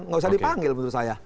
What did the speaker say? nggak usah dipanggil menurut saya